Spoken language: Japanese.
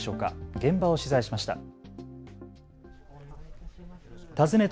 現場を取材しました。